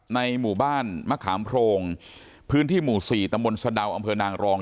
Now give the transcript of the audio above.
ในหมู่บ้านมะขามโพรงพื้นที่หมู่๔ตำบลสะดาวอำเภอนางรอง